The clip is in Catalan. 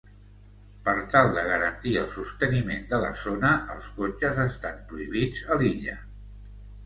Per tal de garantir el sosteniment de la zona, els cotxes estan prohibits a l'illa.